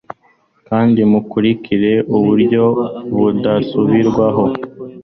Kandi mukurikire muburyo budasubirwaho